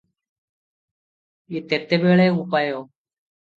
ତେତେବେଳେ ଉପାୟ?